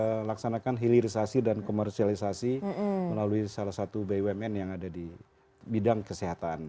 kita laksanakan hilirisasi dan komersialisasi melalui salah satu bumn yang ada di bidang kesehatan